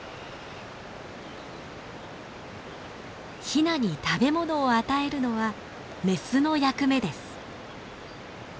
ヒナに食べ物を与えるのはメスの役目です。